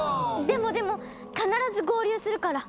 ☎でもでも必ず合流するから。